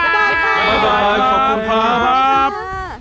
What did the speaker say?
บ๊าบอยขอบคุณครับ